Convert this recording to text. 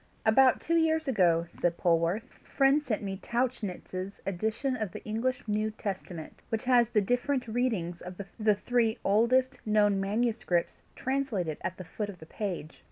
"About two years ago," said Polwarth, "a friend sent me Tauchnitz's edition of the English New Testament, which has the different readings of the three oldest known manuscripts translated at the foot of the page.